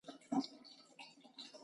مالټه د سترګو د نظر لپاره مهمه ده.